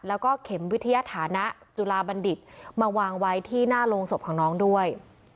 แล้วก็เข็มวิทยาฐานะจุลาบัณฑิตมาวางไว้ที่หน้าโรงศพของน้องด้วย